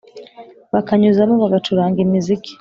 bakanyuzamo bagacuranga imiziki